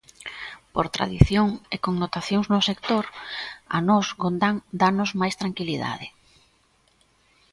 Por tradición e connotacións no sector, a nós Gondán dános máis tranquilidade.